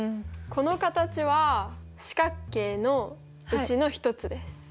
この形は四角形のうちの１つです。